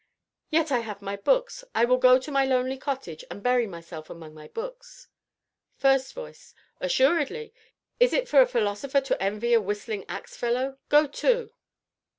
Yet I have my books I will go to my lonely cottage and bury myself among my books. FIRST VOICE. Assuredly! Is it for a philosopher to envy a whistling axe fellow go to!